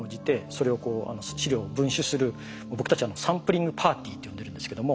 研究者の僕たち「サンプリングパーティー」って呼んでるんですけども。